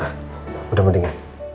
kami kamu dimana udah mending ya